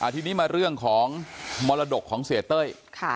ทีนี้มาเรื่องของมรดกของเสียเต้ย